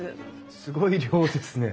すごい量ですね。